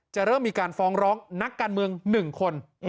เริ่มมีการฟ้องร้องนักการเมือง๑คน